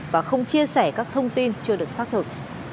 và không chia sẻ các thông tin chưa được xác thực